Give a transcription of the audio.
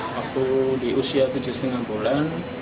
waktu di usia tujuh lima bulan